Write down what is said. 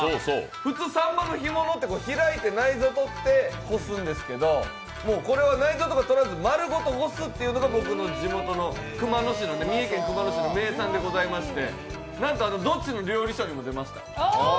普通、さんまの干物って開いて内臓をとって干すんですけどこれは内臓とかとらずに丸ごと干すというのが僕の地元の三重県熊野市の名産でございまして。